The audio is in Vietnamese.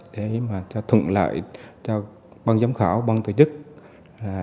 diễn ra thuận lợi hiệu quả